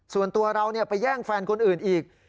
ส่วนตัวเราไปแย่งแฟนคนอื่นอีก